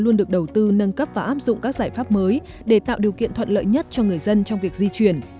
luôn được đầu tư nâng cấp và áp dụng các giải pháp mới để tạo điều kiện thuận lợi nhất cho người dân trong việc di chuyển